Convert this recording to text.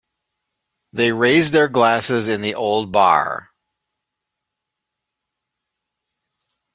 They raised their glasses in the old bar.